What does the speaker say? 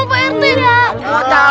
kau dia